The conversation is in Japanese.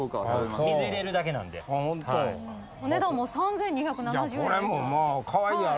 お値段も３，２７０円ですよ。